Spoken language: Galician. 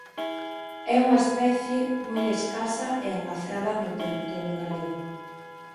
É unha especie moi escasa e ameazada no territorio galego.